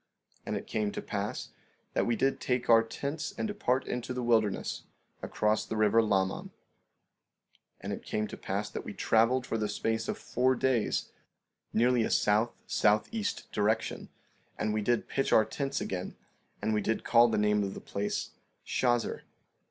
16:12 And it came to pass that we did take our tents and depart into the wilderness, across the river Laman. 16:13 And it came to pass that we traveled for the space of four days, nearly a south southeast direction, and we did pitch our tents again; and we did call the name of the place Shazer.